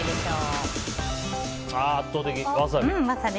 圧倒的、ワサビ。